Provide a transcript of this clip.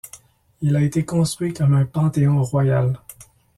Il a été construit comme un panthéon royal.